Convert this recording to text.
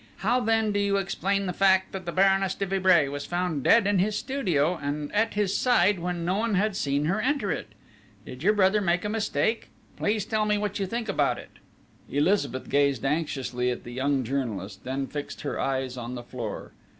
How then do you explain the fact that the Baroness de Vibray was found dead in his studio, and at his side, when no one had seen her enter it? Did your brother make a mistake? Please tell me what you think about it!" Elizabeth gazed anxiously at the young journalist, then fixed her eyes on the floor.